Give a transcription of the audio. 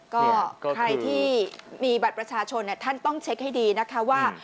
ก็ใครที่มีบัตรประชาชนท่านต้องเช็คให้ดีนะคะว่า